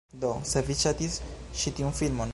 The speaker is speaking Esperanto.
Do, se vi ŝatis ĉi tiun filmon